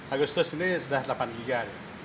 agustus ini sudah delapan giga